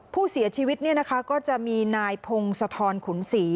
ผู้เสียชีวิตเนี่ยนะคะก็จะมีนายพงศธรขุนศรี